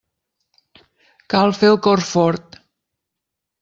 Cal fer el cor fort.